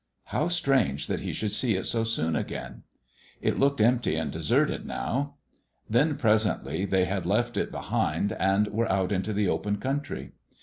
How strange that he should see it so soon again. It looked empty and deserted now. Then presently they had left it behind and were out into the open country.